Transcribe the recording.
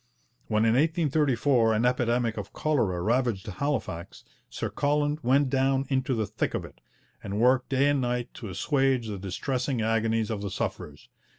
When in 1834 an epidemic of cholera ravaged Halifax, Sir Colin went down into the thick of it, and worked day and night to assuage the distressing agonies of the sufferers.